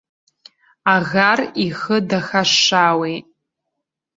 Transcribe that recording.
Аӷар ихы дахашшаауеит.